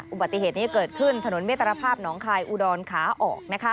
อุบัติเหตุนี้เกิดขึ้นถนนมิตรภาพหนองคายอุดรขาออก